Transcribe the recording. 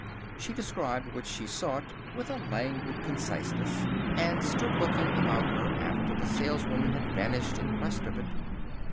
She described what she sought with a languid conciseness, and stood looking about her after the saleswoman had vanished in quest of it.